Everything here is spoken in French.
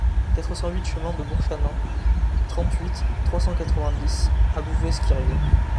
quatre cent huit chemin de Bourchanin, trente-huit, trois cent quatre-vingt-dix à Bouvesse-Quirieu